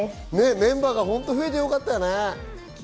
メンバーが増えてよかったね。